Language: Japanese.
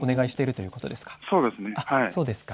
そうですね。